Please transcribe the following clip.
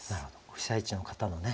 被災地の方のね